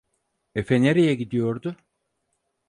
Efe nereye gidiyordu?